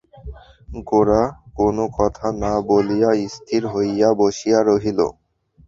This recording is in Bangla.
গোরা কোনো কথা না বলিয়া স্থির হইয়া বসিয়া রহিল।